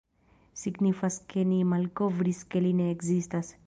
Signifas ke ni malkovris ke li ne ekzistas!”.